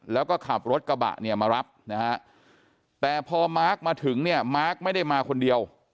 แล้วก็ขับรถกระบะเนี่ยมารับนะฮะแต่พอมาร์คมาถึงเนี่ยมาร์คไม่ได้มาคนเดียว